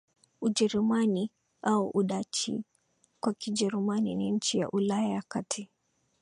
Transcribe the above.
Ujerumani au Udachi kwa Kijerumani ni nchi ya Ulaya ya kati